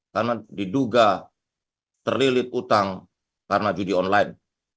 karena diduga terlilib utang karena judi online